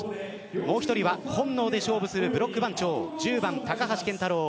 もう１人は本能で勝負するブロック番長１０番、高橋健太郎。